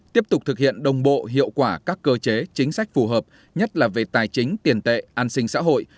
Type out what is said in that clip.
tiếp tục thực hiện đồng bộ hiệu quả các cơ chế chính sách phù hợp nhất là về tài chính tiền tệ an sinh xã hội